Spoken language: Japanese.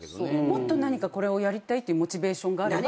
もっと何かこれをやりたいってモチベーションがあれば。